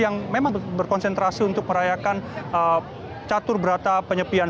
yang memang berkonsentrasi untuk merayakan catur berata penyepian